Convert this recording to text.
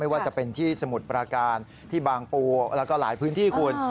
ว่าจะเป็นที่สมุทรปราการที่บางปูแล้วก็หลายพื้นที่คุณ